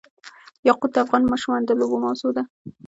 یاقوت د افغان ماشومانو د لوبو موضوع ده.